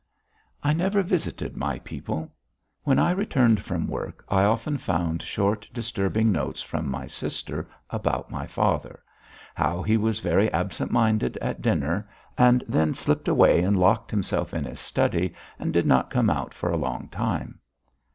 I never visited my people. When I returned from work I often found short, disturbing notes from my sister about my father; how he was very absent minded at dinner, and then slipped away and locked himself in his study and did not come out for a long time.